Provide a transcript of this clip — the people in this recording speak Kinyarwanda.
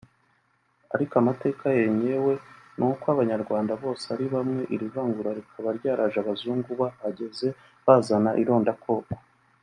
Ariko amateka yenyewe nuko abanyarwanda bose ari bamwe iri vangura rikaba ryaraje abazungu bahageze bazana ironda koko